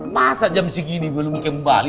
masa jam segini belum kembali